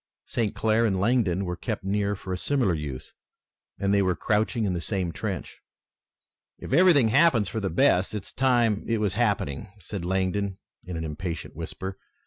St. Clair and Langdon were kept near for a similar use and they were crouching in the same trench. "If everything happens for the best it's time it was happening," said Langdon in an impatient whisper.